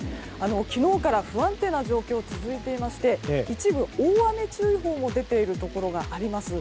昨日から不安定な状況が続いていまして一部、大雨注意報が出ているところもあります。